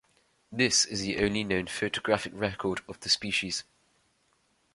This is the only known photographic record of the species.